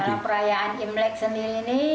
kalau perayaan imlek sendiri ini